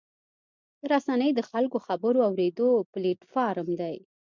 رسنۍ د خلکو د خبرو اورېدو پلیټفارم دی.